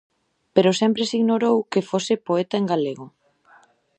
Pero sempre se ignorou que fose poeta en galego.